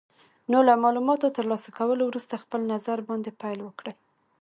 نو له مالوماتو تر لاسه کولو وروسته خپل نظر باندې پیل وکړئ.